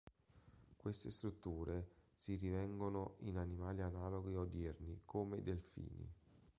Queste strutture si rinvengono in animali analoghi odierni, come i delfini.